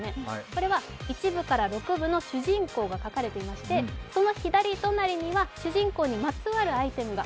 これは１部から６部の主人公が描かれていましてその左隣には主人公にまつわるアイテムが